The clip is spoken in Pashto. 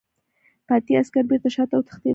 پاتې عسکر بېرته شاته وتښتېدل.